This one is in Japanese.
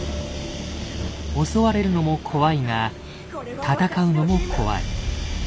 襲われるのも怖いが戦うのも怖い。